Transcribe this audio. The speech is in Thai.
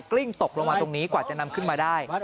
ลิ้งตกลงมาตรงนี้กว่าจะนำขึ้นมาได้